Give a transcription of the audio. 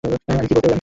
আমি কী বলেছি?